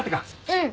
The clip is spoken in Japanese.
うん。